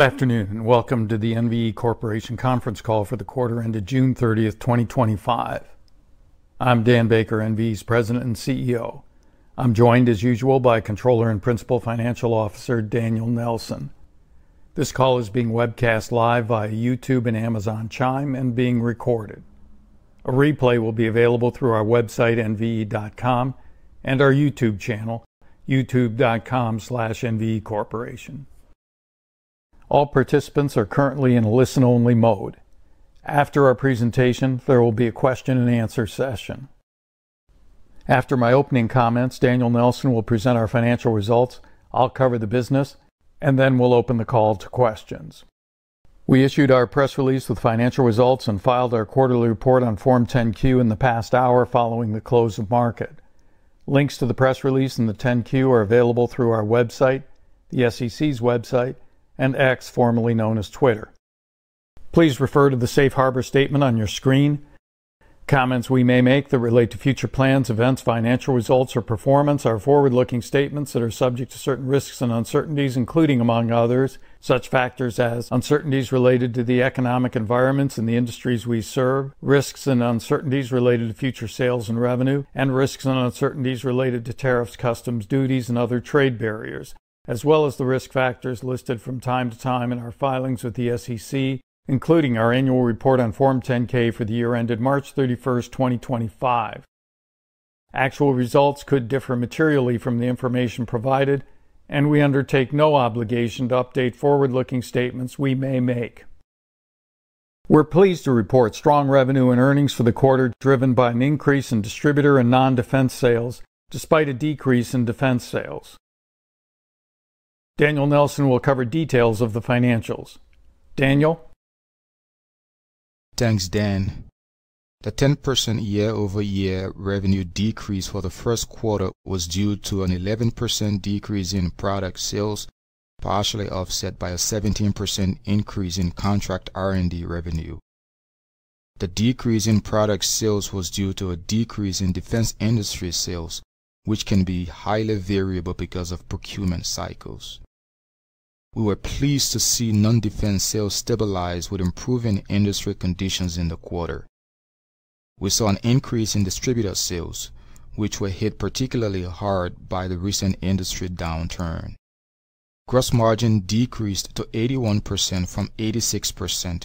Afternoon and welcome to the NVE Corporation Conference Call for the quarter ended June 30th, 2025. I'm Daniel Baker, NVE's President and CEO. I'm joined, as usual, by Controller and Principal Financial Officer, Daniel Nelson. This call is being webcast live via YouTube and Amazon Chime and being recorded. A replay will be available through our website, nve.com, and our YouTube channel, youtube.com/nvecorporation. All participants are currently in listen-only mode. After our presentation, there will be a question and answer session. After my opening comments, Daniel Nelson will present our financial results, I'll cover the business, and then we'll open the call to questions. We issued our press release with financial results and filed our quarterly report on Form 10-Q in the past hour following the close of market. Links to the press release and the 10-Q are available through our website, the SEC's website, and X, formerly known as Twitter. Please refer to the Safe Harbor statement on your screen. Comments we may make that relate to future plans, events, financial results, or performance are forward-looking statements that are subject to certain risks and uncertainties, including, among others, such factors as uncertainties related to the economic environments in the industries we serve, risks and uncertainties related to future sales and revenue, and risks and uncertainties related to tariffs, customs, duties, and other trade barriers, as well as the risk factors listed from time to time in our filings with the SEC, including our annual report on Form 10-K for the year ended March 31st, 2025. Actual results could differ materially from the information provided, and we undertake no obligation to update forward-looking statements we may make. We're pleased to report strong revenue and earnings for the quarter, driven by an increase in distributor and non-defense sales, despite a decrease in defense sales. Daniel Nelson will cover details of the financials. Daniel? Thanks, Dan. The 10% year-over-year revenue decrease for the first quarter was due to an 11% decrease in product sales, partially offset by a 17% increase in contract R&D revenue. The decrease in product sales was due to a decrease in defense industry sales, which can be highly variable because of procurement cycles. We were pleased to see non-defense sales stabilize with improving industry conditions in the quarter. We saw an increase in distributor sales, which were hit particularly hard by the recent industry downturn. Gross margin decreased to 81% from 86%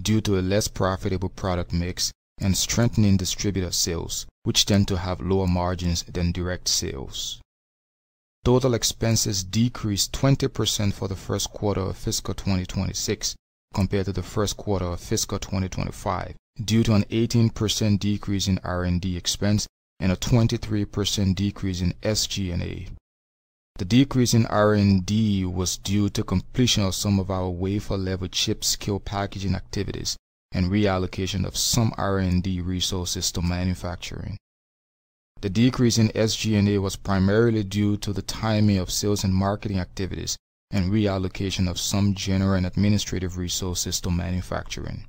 due to a less profitable product mix and strengthening distributor sales, which tend to have lower margins than direct sales. Total expenses decreased 20% for the first quarter of fiscal 2026 compared to the first quarter of fiscal 2025, due to an 18% decrease in R&D expense and a 23% decrease in SG&A. The decrease in R&D was due to completion of some of our wafer-level chip-scale packaging activities and reallocation of some R&D resources to manufacturing. The decrease in SG&A was primarily due to the timing of sales and marketing activities and reallocation of some general and administrative resources to manufacturing.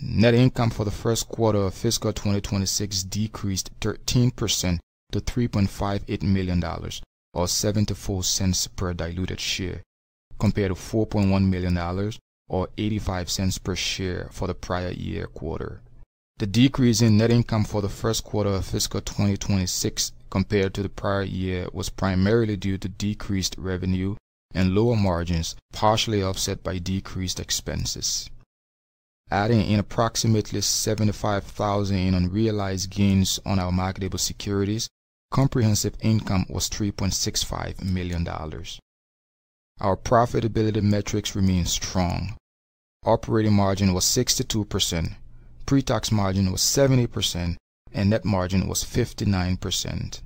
Net income for the first quarter of fiscal 2026 decreased 13% to $3.58 million, or $0.74 per diluted share, compared to $4.1 million, or $0.85 per share for the prior year quarter. The decrease in net income for the first quarter of fiscal 2026 compared to the prior year was primarily due to decreased revenue and lower margins, partially offset by decreased expenses. Adding in approximately $75,000 in unrealized gains on our marketable securities, comprehensive income was $3.65 million. Our profitability metrics remained strong. Operating margin was 62%, pre-tax margin was 70%, and net margin was 59%.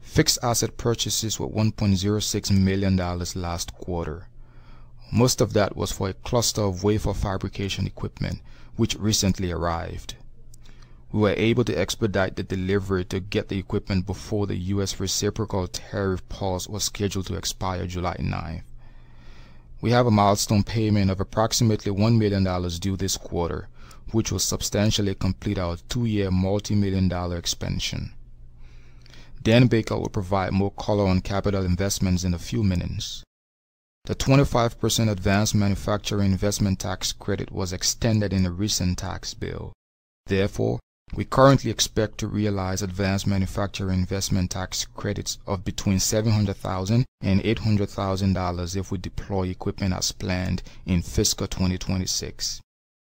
Fixed asset purchases were $1.06 million last quarter. Most of that was for a cluster of wafer fabrication equipment, which recently arrived. We were able to expedite the delivery to get the equipment before the U.S. reciprocal tariff pause was scheduled to expire July 9th. We have a milestone payment of approximately $1 million due this quarter, which will substantially complete our two-year multimillion-dollar expansion. Daniel Baker will provide more color on capital investments in a few minutes. The 25% advanced manufacturing investment tax credit was extended in a recent tax bill. Therefore, we currently expect to realize advanced manufacturing investment tax credits of between $700,000 and $800,000 if we deploy equipment as planned in fiscal 2026.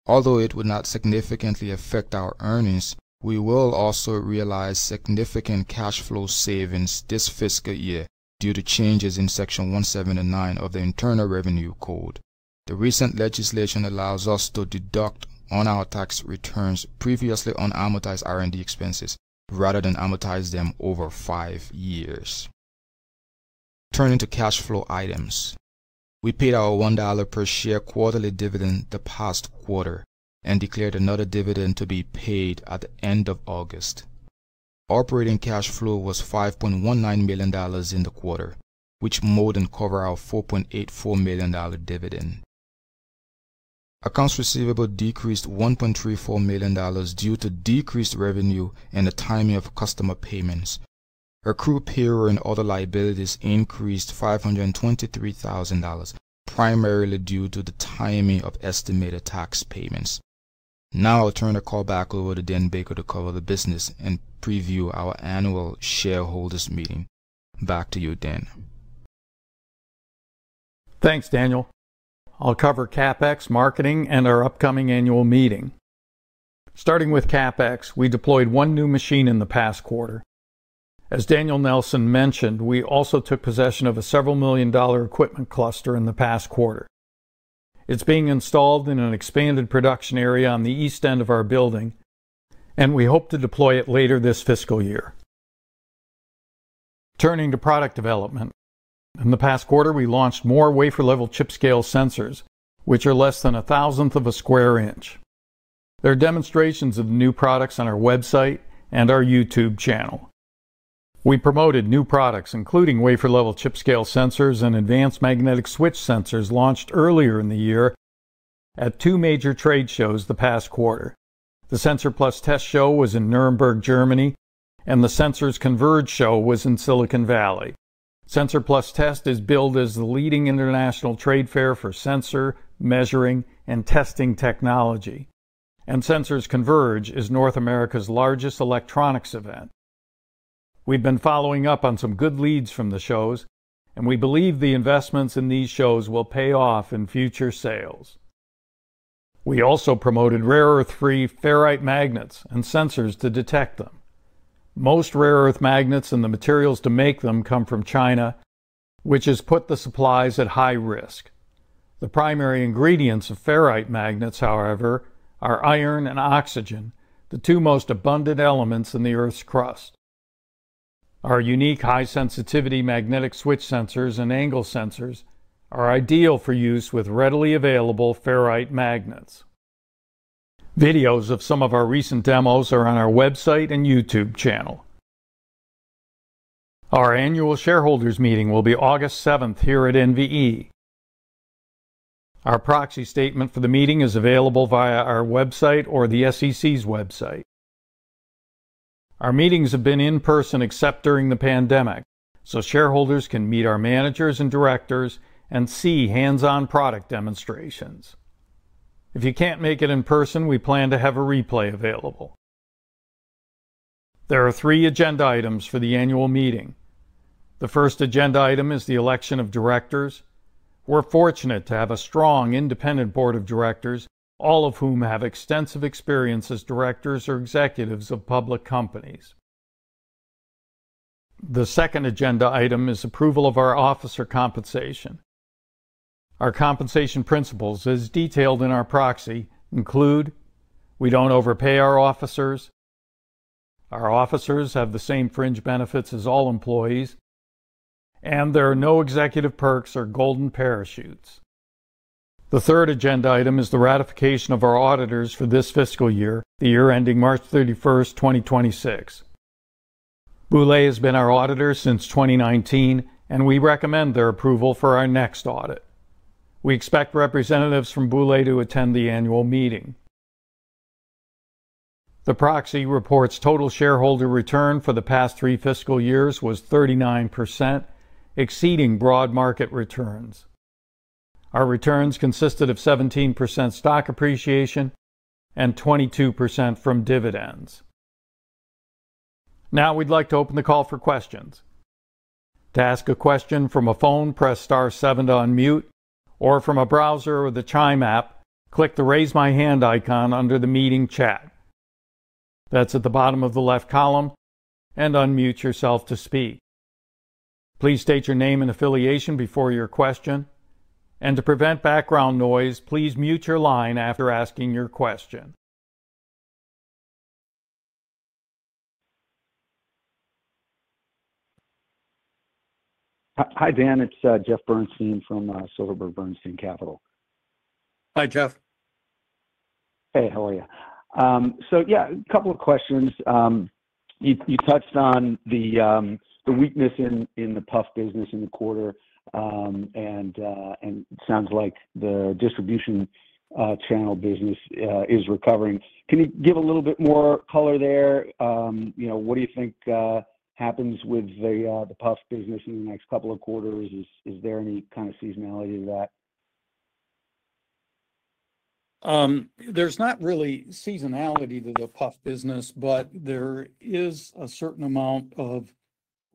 Although it would not significantly affect our earnings, we will also realize significant cash flow savings this fiscal year due to changes in Section 179 of the Internal Revenue Code. The recent legislation allows us to deduct on our tax returns previously unamortized R&D expenses rather than amortize them over five years. Turning to cash flow items, we paid our $1 per share quarterly dividend the past quarter and declared another dividend to be paid at the end of August. Operating cash flow was $5.19 million in the quarter, which more than covered our $4.84 million dividend. Accounts receivable decreased $1.34 million due to decreased revenue and the timing of customer payments. Accrued payroll and other liabilities increased $523,000, primarily due to the timing of estimated tax payments. Now I'll turn the call back over to Daniel Baker to cover the business and preview our annual shareholders' meeting. Back to you, Daniel. Thanks, Daniel. I'll cover CapEx, marketing, and our upcoming annual meeting. Starting with CapEx, we deployed one new machine in the past quarter. As Daniel Nelson mentioned, we also took possession of a several million-dollar equipment cluster in the past quarter. It's being installed in an expanded production area on the east end of our building, and we hope to deploy it later this fiscal year. Turning to product development, in the past quarter, we launched more wafer-level chip-scale sensors, which are less than a thousandth of a square inch. There are demonstrations of the new products on our website and our YouTube channel. We promoted new products, including wafer-level chip-scale sensors and advanced magnetic switch sensors launched earlier in the year at two major trade shows the past quarter. The Sensor+Test show was in Nuremberg, Germany, and the Sensors Converge show was in Silicon Valley. Sensor+Test is billed as the leading international trade fair for sensor, measuring, and testing technology, and Sensors Converge is North America's largest electronics event. We've been following up on some good leads from the shows, and we believe the investments in these shows will pay off in future sales. We also promoted rare-earth-free ferrite magnets and sensors to detect them. Most rare-earth magnets and the materials to make them come from China, which has put the supplies at high risk. The primary ingredients of ferrite magnets, however, are iron and oxygen, the two most abundant elements in the Earth's crust. Our unique high-sensitivity magnetic switch sensors and angle sensors are ideal for use with readily available ferrite magnets. Videos of some of our recent demos are on our website and YouTube channel. Our annual shareholders' meeting will be August 7th here at NVE. Our proxy statement for the meeting is available via our website or the SEC's website. Our meetings have been in-person except during the pandemic, so shareholders can meet our managers and directors and see hands-on product demonstrations. If you can't make it in person, we plan to have a replay available. There are three agenda items for the annual meeting. The first agenda item is the election of directors. We're fortunate to have a strong independent board of directors, all of whom have extensive experience as directors or executives of public companies. The second agenda item is approval of our officer compensation. Our compensation principles, as detailed in our proxy, include we don't overpay our officers, our officers have the same fringe benefits as all employees, and there are no executive perks or golden parachutes. The third agenda item is the ratification of our auditors for this fiscal year, the year ending March 31, 2026. Boulay has been our auditor since 2019, and we recommend their approval for our next audit. We expect representatives from Boulay to attend the annual meeting. The proxy reports total shareholder return for the past three fiscal years was 39%, exceeding broad market returns. Our returns consisted of 17% stock appreciation and 22% from dividends. Now we'd like to open the call for questions. To ask a question from a phone, press *7 to unmute, or from a browser or the Chime app, click the Raise My Hand icon under the meeting chat. That's at the bottom of the left column, and unmute yourself to speak. Please state your name and affiliation before your question, and to prevent background noise, please mute your line after asking your question. Hi, Dan. It's Jeff Bernstein from Silverberg Bernstein Capital. Hi, Jeff. Hey, how are you? Yeah, a couple of questions. You touched on the weakness in the PUF business in the quarter, and it sounds like the distribution channel business is recovering. Can you give a little bit more color there? You know, what do you think happens with the PUF business in the next couple of quarters? Is there any kind of seasonality to that? There's not really seasonality to the PUF business, but there is a certain amount of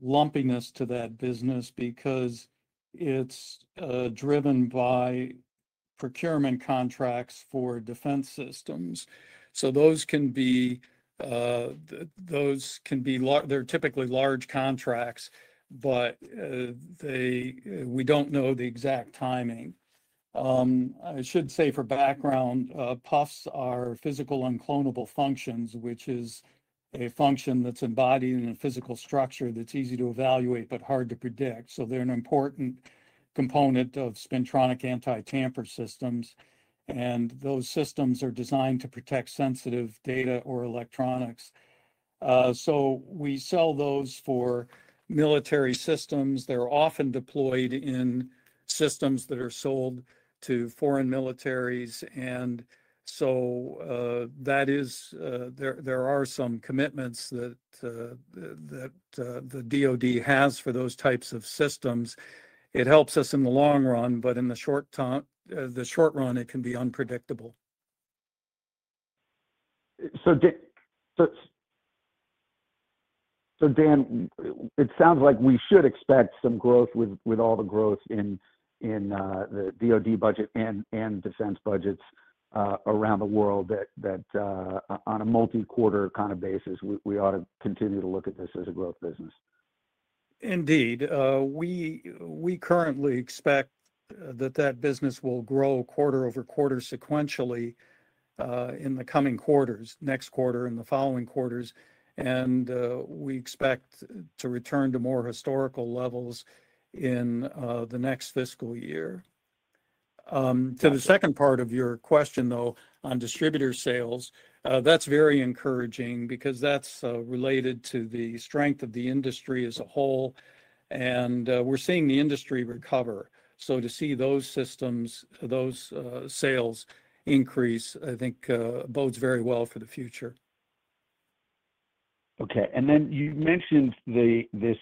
lumpiness to that business because it's driven by procurement contracts for defense systems. Those can be large, they're typically large contracts, but we don't know the exact timing. I should say for background, PUFs are physical unclonable functions, which is a function that's embodied in a physical structure that's easy to evaluate, but hard to predict. They're an important component of spintronic anti-tamper systems, and those systems are designed to protect sensitive data or electronics. We sell those for military systems. They're often deployed in systems that are sold to foreign militaries, and there are some commitments that the DOD has for those types of systems. It helps us in the long run, but in the short run, it can be unpredictable. Dan, it sounds like we should expect some growth with all the growth in the DOD budget and defense budgets around the world, that on a multi-quarter kind of basis, we ought to continue to look at this as a growth business. Indeed, we currently expect that business will grow quarter over quarter sequentially in the coming quarters, next quarter, and the following quarters, and we expect to return to more historical levels in the next fiscal year. To the second part of your question, though, on distributor sales, that's very encouraging because that's related to the strength of the industry as a whole, and we're seeing the industry recover. To see those systems, those sales increase, I think, bodes very well for the future. Okay. You mentioned this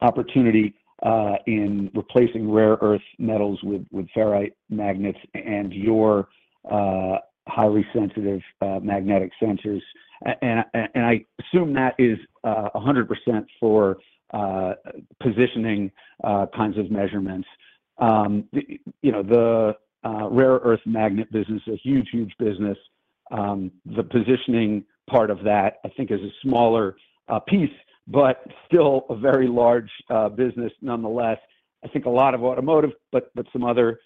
opportunity in replacing rare-earth metals with ferrite magnets and your highly sensitive magnetic sensors. I assume that is 100% for positioning kinds of measurements. You know, the rare-earth magnet business is a huge, huge business. The positioning part of that, I think, is a smaller piece, but still a very large business nonetheless. I think a lot of automotive, but some other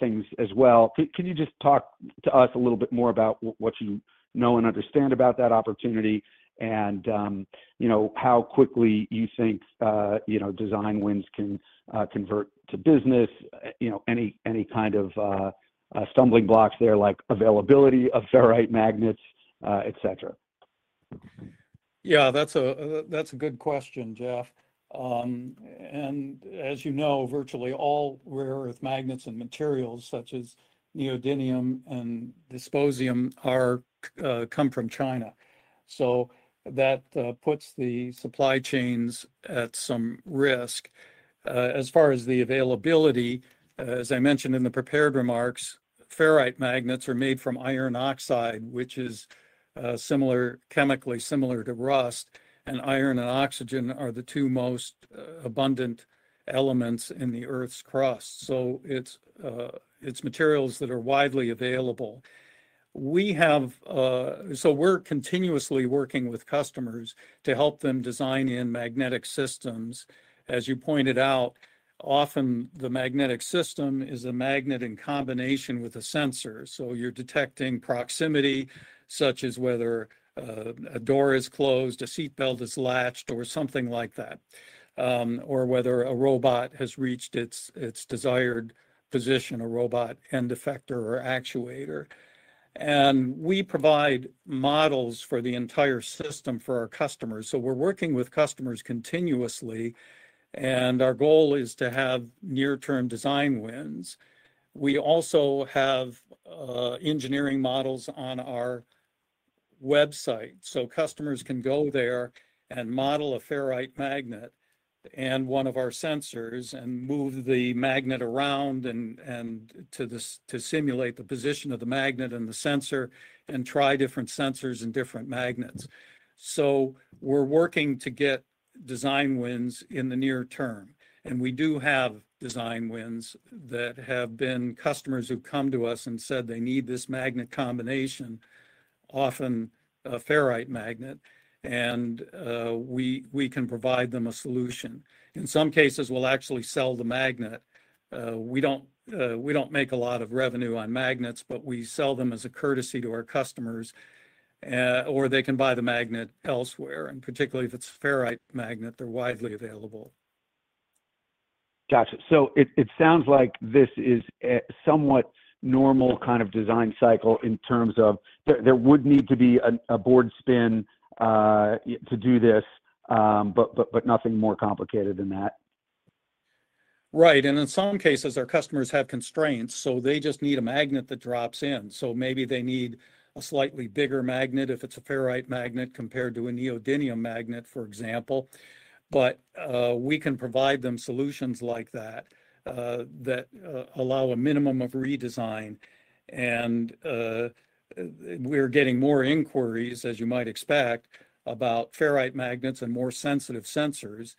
things as well. Can you just talk to us a little bit more about what you know and understand about that opportunity and how quickly you think design wins can convert to business? Any kind of stumbling blocks there, like availability of ferrite magnets, etc. Yeah, that's a good question, Jeff. As you know, virtually all rare-earth magnets and materials, such as neodymium and dysprosium, come from China. That puts the supply chains at some risk. As far as the availability, as I mentioned in the prepared remarks, ferrite magnets are made from iron oxide, which is chemically similar to rust, and iron and oxygen are the two most abundant elements in the Earth's crust. It's materials that are widely available. We're continuously working with customers to help them design in magnetic systems. As you pointed out, often the magnetic system is a magnet in combination with a sensor, so you're detecting proximity, such as whether a door is closed, a seatbelt is latched, or something like that, or whether a robot has reached its desired position, a robot end effector or actuator. We provide models for the entire system for our customers. We're working with customers continuously, and our goal is to have near-term design wins. We also have engineering models on our website, so customers can go there and model a ferrite magnet and one of our sensors and move the magnet around to simulate the position of the magnet and the sensor and try different sensors and different magnets. We're working to get design wins in the near term. We do have design wins that have been customers who've come to us and said they need this magnet combination, often a ferrite magnet, and we can provide them a solution. In some cases, we'll actually sell the magnet. We don't make a lot of revenue on magnets, but we sell them as a courtesy to our customers, or they can buy the magnet elsewhere, and particularly if it's a ferrite magnet, they're widely available. It sounds like this is a somewhat normal kind of design cycle in terms of there would need to be a board spin to do this, but nothing more complicated than that. Right. In some cases, our customers have constraints, so they just need a magnet that drops in. Maybe they need a slightly bigger magnet if it's a ferrite magnet compared to a neodymium magnet, for example. We can provide them solutions like that, that allow a minimum of redesign. We're getting more inquiries, as you might expect, about ferrite magnets and more sensitive sensors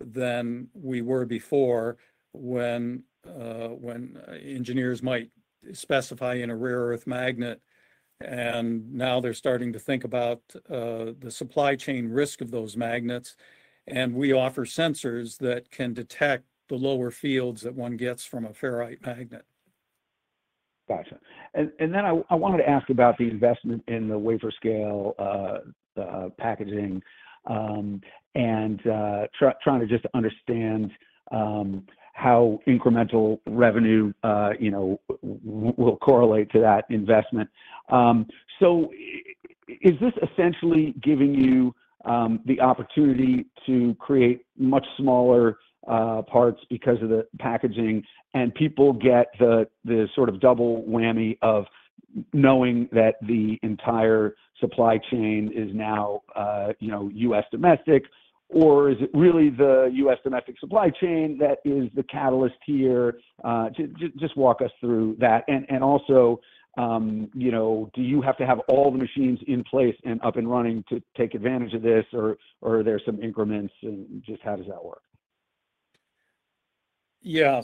than we were before when engineers might specify a rare-earth magnet. Now they're starting to think about the supply chain risk of those magnets. We offer sensors that can detect the lower fields that one gets from a ferrite magnet. Gotcha. I wanted to ask about the investment in the wafer-level packaging, and trying to just understand how incremental revenue will correlate to that investment. Is this essentially giving you the opportunity to create much smaller parts because of the packaging, and people get the sort of double whammy of knowing that the entire supply chain is now U.S. domestic, or is it really the U.S. domestic supply chain that is the catalyst here? Just walk us through that. Also, do you have to have all the machines in place and up and running to take advantage of this, or are there some increments and just how does that work? Yeah,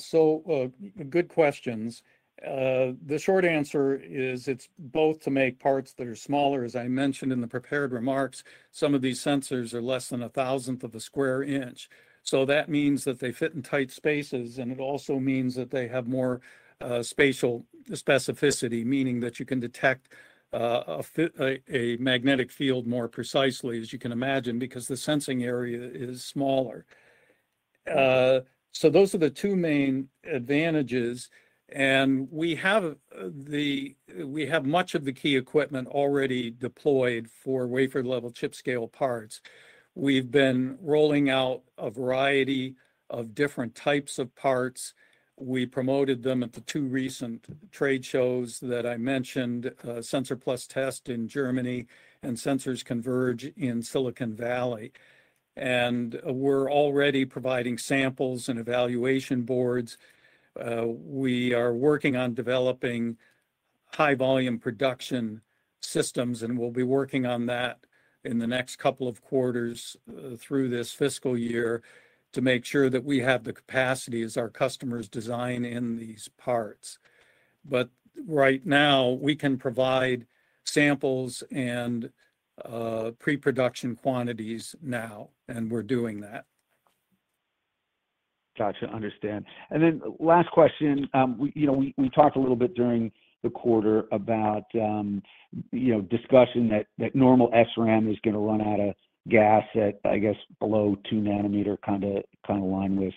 good questions. The short answer is it's both to make parts that are smaller. As I mentioned in the prepared remarks, some of these sensors are less than a thousandth of a square inch. That means that they fit in tight spaces, and it also means that they have more spatial specificity, meaning that you can detect a magnetic field more precisely, as you can imagine, because the sensing area is smaller. Those are the two main advantages. We have much of the key equipment already deployed for wafer-level chip-scale parts. We've been rolling out a variety of different types of parts. We promoted them at the two recent trade shows that I mentioned, Sensor+Test in Germany and Sensors Converge in Silicon Valley. We're already providing samples and evaluation boards. We are working on developing high-volume production systems, and we'll be working on that in the next couple of quarters, through this fiscal year to make sure that we have the capacity as our customers design in these parts. Right now, we can provide samples and pre-production quantities, and we're doing that. Gotcha. Understand. Last question. We talked a little bit during the quarter about discussion that normal SRAM is going to run out of gas at, I guess, below two nanometers, kind of in line with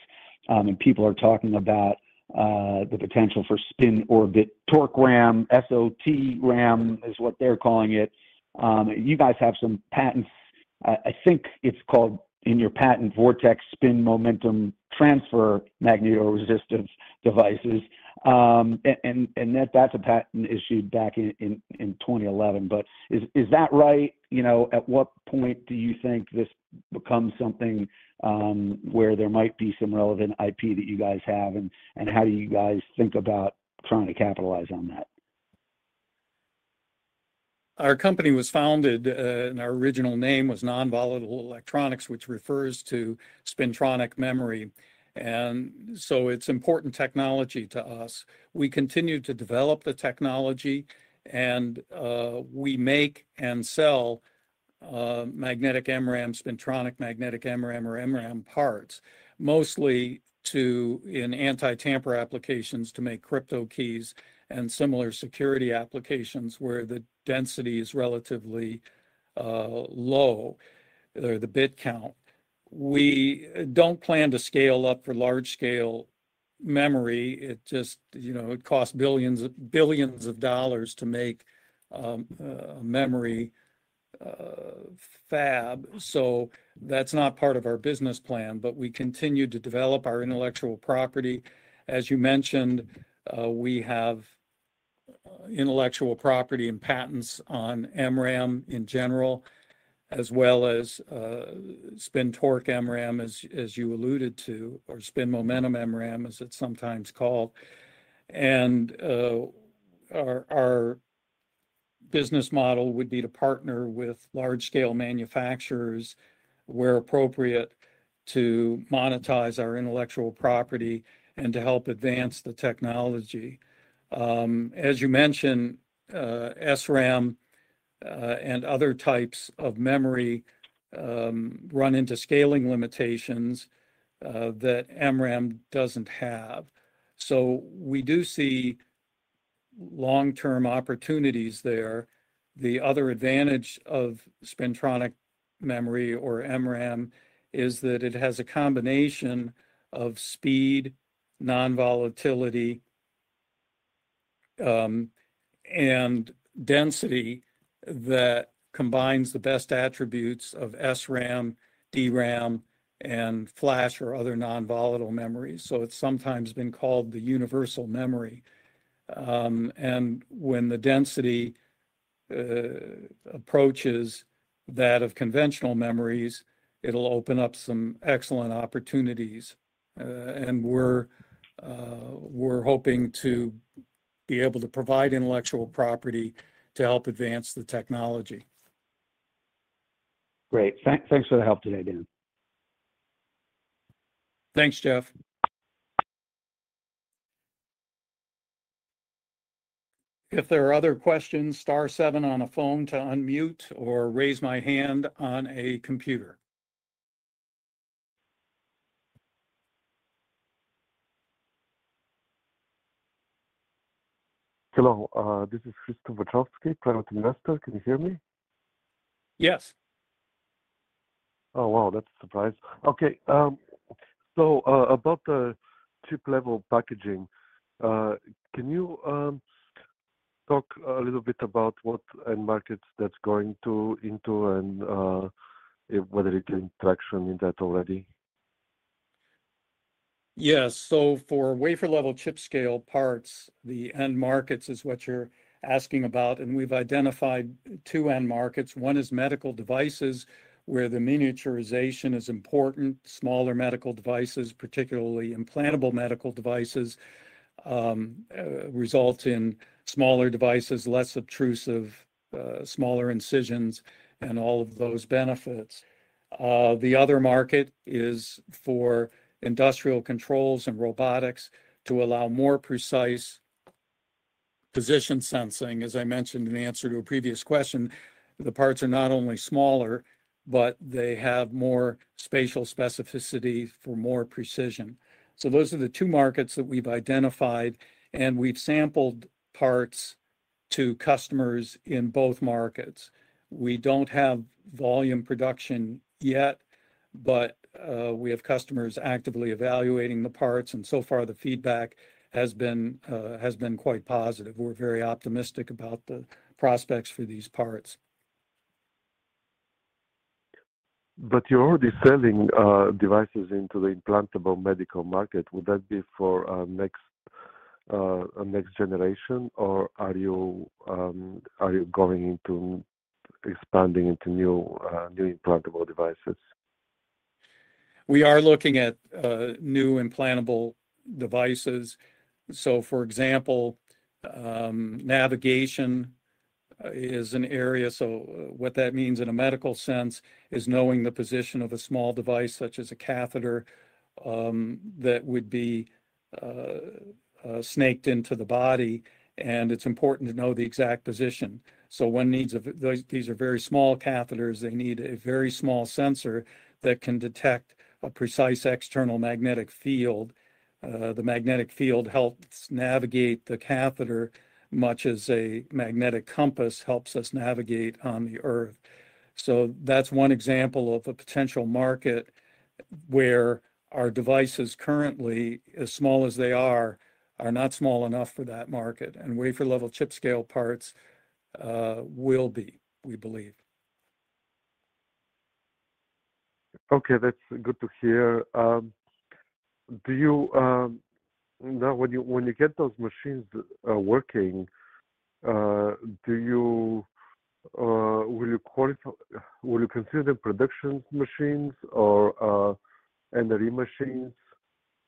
that. People are talking about the potential for spin-orbit torque MRAM, SOT-MRAM is what they're calling it. You guys have some patents, I think it's called in your patent Vortex Spin Momentum Transfer Magneto-Resistive Devices, and that's a patent issued back in 2011. Is that right? At what point do you think this becomes something where there might be some relevant IP that you guys have, and how do you guys think about trying to capitalize on that? Our company was founded, and our original name was Non-Volatile Electronics, which refers to spintronic memory. It's important technology to us. We continue to develop the technology, and we make and sell magnetic MRAM, spintronic magnetic MRAM, or MRAM parts, mostly in anti-tamper applications to make crypto keys and similar security applications where the density is relatively low. They're the bit count. We don't plan to scale up for large-scale memory. It just, you know, it costs billions of dollars to make a memory fab. That's not part of our business plan, but we continue to develop our intellectual property. As you mentioned, we have intellectual property and patents on MRAM in general, as well as spin torque MRAM, as you alluded to, or spin momentum MRAM, as it's sometimes called. Our business model would be to partner with large-scale manufacturers where appropriate to monetize our intellectual property and to help advance the technology. As you mentioned, SRAM and other types of memory run into scaling limitations that MRAM doesn't have. We do see long-term opportunities there. The other advantage of spintronic memory or MRAM is that it has a combination of speed, non-volatility, and density that combines the best attributes of SRAM, DRAM, and flash or other non-volatile memories. It's sometimes been called the universal memory. When the density approaches that of conventional memories, it'll open up some excellent opportunities. We're hoping to be able to provide intellectual property to help advance the technology. Great. Thanks for the help today, Dan. Thanks, Jeff. If there are other questions, *7 on a phone to unmute or raise my hand on a computer. Hello. This is Christopher Trotsky, private investor. Can you hear me? Yes. Oh, wow. That's a surprise. Okay, about the chip-level packaging, can you talk a little bit about what end markets that's going into, and if whether you can track from that already? Yeah. For wafer-level chip-scale parts, the end markets is what you're asking about. We've identified two end markets. One is medical devices where the miniaturization is important. Smaller medical devices, particularly implantable medical devices, result in smaller devices, less obtrusive, smaller incisions, and all of those benefits. The other market is for industrial controls and robotics to allow more precise position sensing. As I mentioned in the answer to a previous question, the parts are not only smaller, but they have more spatial specificity for more precision. Those are the two markets that we've identified, and we've sampled parts to customers in both markets. We don't have volume production yet, but we have customers actively evaluating the parts, and so far the feedback has been quite positive. We're very optimistic about the prospects for these parts. You're already selling devices into the implantable medical market. Would that be for next generation, or are you going into expanding into new implantable devices? We are looking at new implantable devices. For example, navigation is an area. What that means in a medical sense is knowing the position of a small device, such as a catheter, that would be snaked into the body, and it's important to know the exact position. These are very small catheters. They need a very small sensor that can detect a precise external magnetic field. The magnetic field helps navigate the catheter much as a magnetic compass helps us navigate on the Earth. That's one example of a potential market where our devices, currently, as small as they are, are not small enough for that market. Wafer-level chip-scale parts will be, we believe. Okay. That's good to hear. When you get those machines working, will you qualify, will you consider them production machines or NRE machines?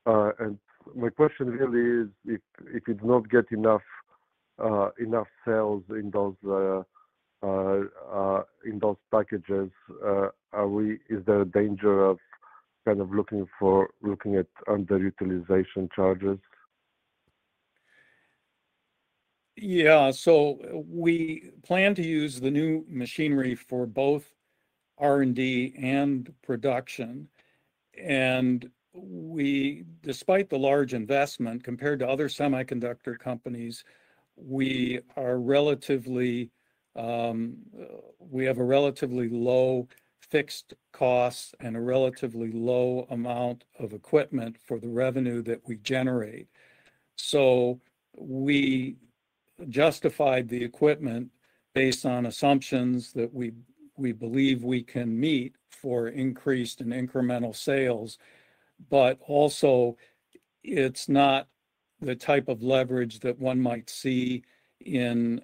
My question really is if it's not getting enough sales in those packages, are we, is there a danger of kind of looking at underutilization charges? Yeah. We plan to use the new machinery for both R&D and production. Despite the large investment compared to other semiconductor companies, we have a relatively low fixed cost and a relatively low amount of equipment for the revenue that we generate. We justified the equipment based on assumptions that we believe we can meet for increased and incremental sales. Also, it's not the type of leverage that one might see in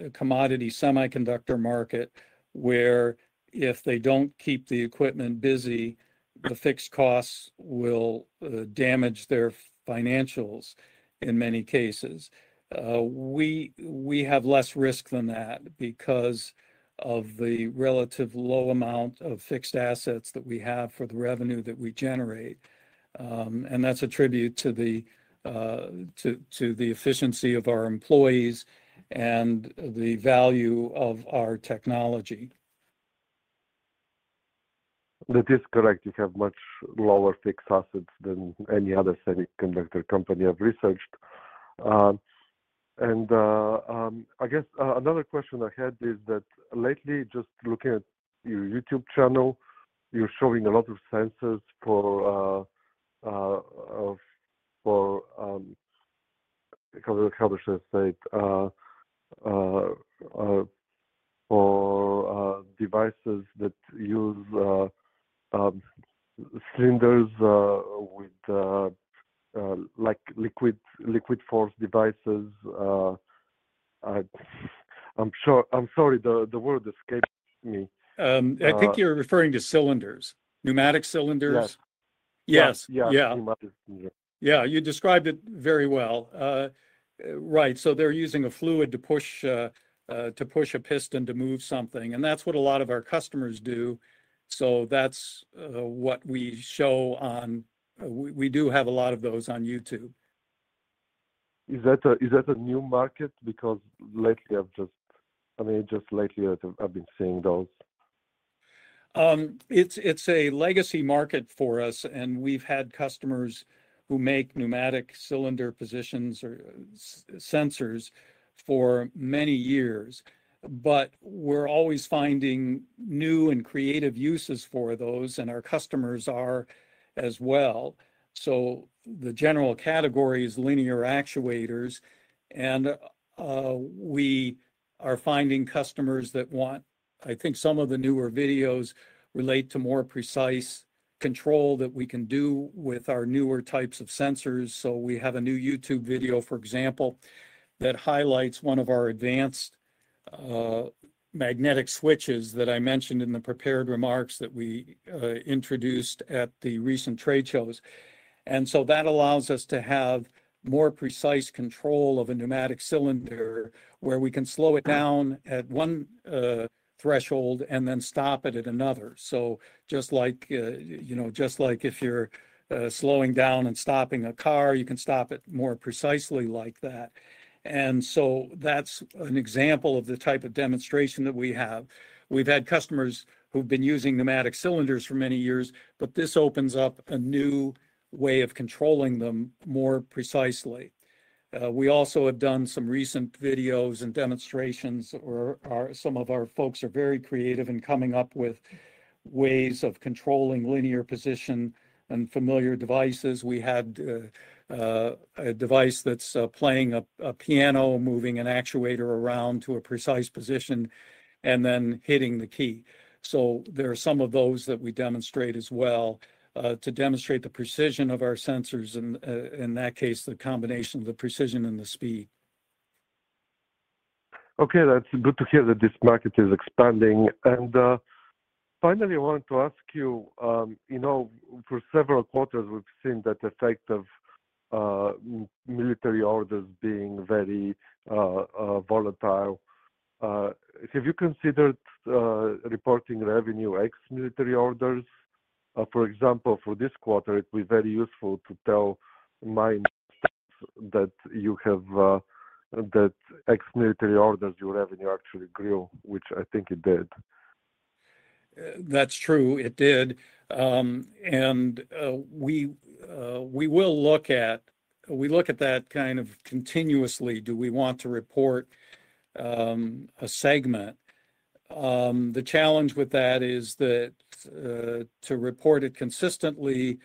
a commodity semiconductor market where, if they don't keep the equipment busy, the fixed costs will damage their financials in many cases. We have less risk than that because of the relative low amount of fixed assets that we have for the revenue that we generate. That's a tribute to the efficiency of our employees and the value of our technology. That is correct. You have much lower fixed assets than any other semiconductor company I've researched. I guess another question I had is that lately, just looking at your YouTube channel, you're showing a lot of sensors for devices that use cylinders, with, like liquid, liquid force devices. I'm sure, I'm sorry, the word escaped me. I think you're referring to cylinders, pneumatic cylinders. Right. Yes. Yeah. Yeah. Yeah. You described it very well, right. They're using a fluid to push, to push a piston to move something. That's what a lot of our customers do. That's what we show on, we do have a lot of those on YouTube. Is that a new market? Because lately, I've just, I mean, just lately, I've been seeing those. It's a legacy market for us, and we've had customers who make pneumatic cylinder positions or sensors for many years. We're always finding new and creative uses for those, and our customers are as well. The general category is linear actuators. We are finding customers that want, I think, some of the newer videos relate to more precise control that we can do with our newer types of sensors. We have a new YouTube video, for example, that highlights one of our advanced magnetic switches that I mentioned in the prepared remarks that we introduced at the recent trade shows. That allows us to have more precise control of a pneumatic cylinder where we can slow it down at one threshold and then stop it at another. Just like if you're slowing down and stopping a car, you can stop it more precisely like that. That's an example of the type of demonstration that we have. We've had customers who've been using pneumatic cylinders for many years, but this opens up a new way of controlling them more precisely. We also have done some recent videos and demonstrations where some of our folks are very creative in coming up with ways of controlling linear position in familiar devices. We had a device that's playing a piano, moving an actuator around to a precise position, and then hitting the key. There are some of those that we demonstrate as well, to demonstrate the precision of our sensors, and in that case, the combination of the precision and the speed. Okay. That's good to hear that this market is expanding. Finally, I wanted to ask you, you know, for several quarters, we've seen that effect of military orders being very volatile. If you considered reporting revenue ex-military orders, for example, for this quarter, it would be very useful to tell me that you have, that ex-military orders, your revenue actually grew, which I think it did. That's true. It did. We will look at that kind of continuously. Do we want to report a segment? The challenge with that is that to report it consistently,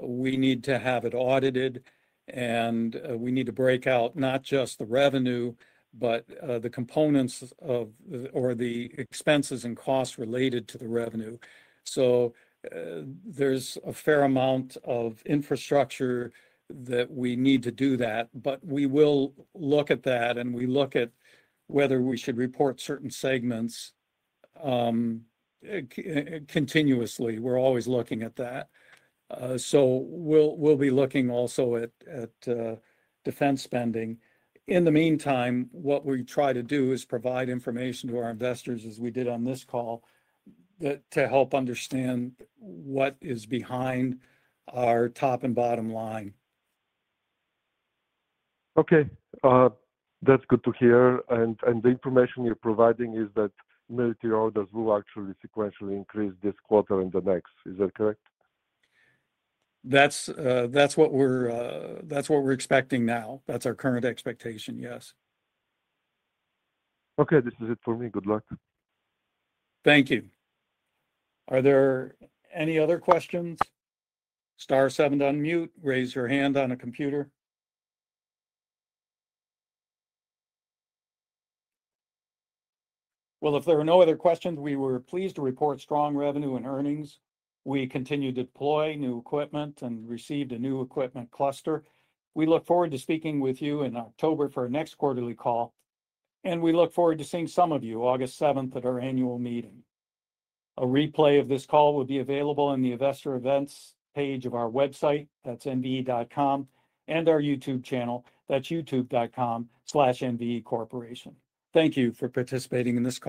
we need to have it audited, and we need to break out not just the revenue, but the components or the expenses and costs related to the revenue. There's a fair amount of infrastructure that we need to do that. We will look at that, and we look at whether we should report certain segments continuously. We're always looking at that. We'll be looking also at defense spending. In the meantime, what we try to do is provide information to our investors, as we did on this call, to help understand what is behind our top and bottom line. Okay, that's good to hear. The information you're providing is that military orders will actually sequentially increase this quarter and the next. Is that correct? That's what we're expecting now. That's our current expectation, yes. Okay, this is it for me. Good luck. Thank you. Are there any other questions? *7 to unmute, raise your hand on a computer. If there are no other questions, we were pleased to report strong revenue and earnings. We continue to deploy new equipment and received a new equipment cluster. We look forward to speaking with you in October for our next quarterly call. We look forward to seeing some of you August 7th at our annual meeting. A replay of this call will be available on the Investor Events page of our website. That's nve.com and our YouTube channel. That's youtube.com/nvecorporation. Thank you for participating in this.